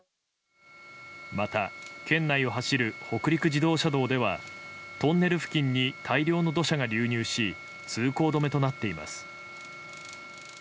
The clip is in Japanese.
また県内を走る北陸自動車道ではトンネル付近に大量の土砂が流入し通行止めとなっています。